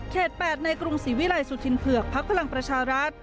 ๘ในกรุงศรีวิลัยสุธินเผือกพักพลังประชารัฐ